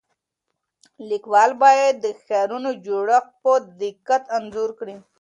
لیکوال باید د ښارونو جوړښت په دقت انځور کړي.